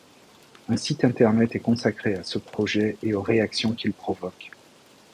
Un site Internet est consacré à ce projet et aux réactions qu’il provoque.